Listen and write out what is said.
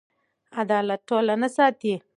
عدالت ټولنه ساتي.